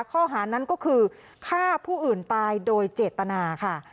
ข้อหานั้นก็คือฆ่าผู้อื่นตายโดยเจตนาค่ะ